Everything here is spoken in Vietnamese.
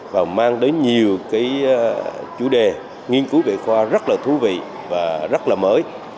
và mang đến nhiều cái chủ đề nghiên cứu về khoa rất là thú vị và rất là mới